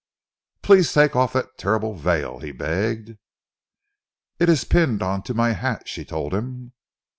"Please take off that terrible veil," he begged. "It is pinned on to my hat," she told him.